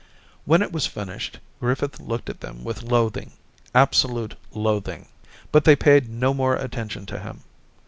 When it was finished, Griffith looked at them with loathing, absolute loathing — but they paid no more attention to him.